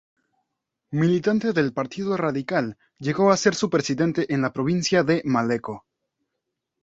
Militante del Partido Radical, llegó a ser su presidente en la provincia de Malleco.